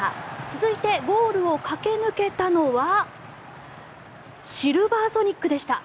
続いて、ゴールを駆け抜けたのはシルヴァーソニックでした。